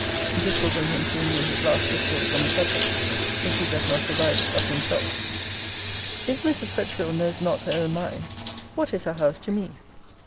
This will bring him to renew his last discourse on the subject, if he does not revive it of himlsef. 'If Mrs. Fretchville knows not her own mind, what is her house to me?